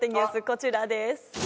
こちらです。